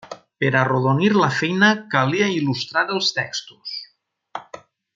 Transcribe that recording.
Per arrodonir la feina calia il·lustrar els textos.